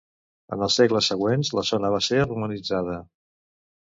En els segles següents la zona va ser romanitzada.